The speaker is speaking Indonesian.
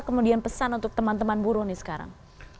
kemudian pesan untuk teman teman buruh nih sekarang